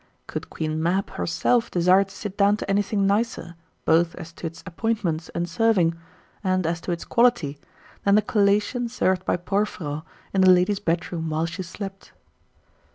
Could Queen Mab herself desire to sit down to anything nicer, both as to its appointments and serving, and as to its quality, than the collation served by Porphyro in the lady's bedroom while she slept?